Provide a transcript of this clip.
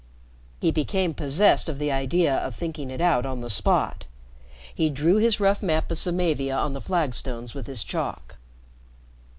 He became possessed by the idea of thinking it out on the spot. He drew his rough map of Samavia on the flagstones with his chalk.